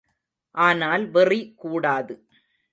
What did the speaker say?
ஆனால் வெறி கூடாது.